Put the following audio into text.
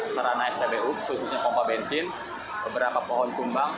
sarana spbu khususnya pompa bensin beberapa pohon tumbang